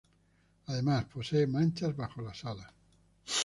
Además posee manchas bajo las alas.